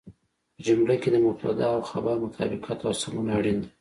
په جمله کې د مبتدا او خبر مطابقت او سمون اړين دی.